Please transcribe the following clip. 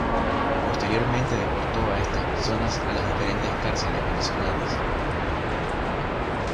Posteriormente deportó a estas personas a las diferentes cárceles venezolanas.